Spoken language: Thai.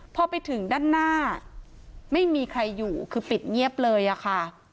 พอไปถึงด้านหน้าไม่มีใครอยู่คือปิดเงียบเลยอะค่ะ